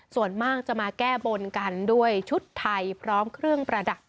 ส่วนมากจะมาแก้บนกันด้วยชุดไทยพร้อมเครื่องประดับ